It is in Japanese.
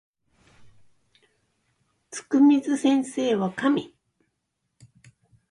つくみず先生は神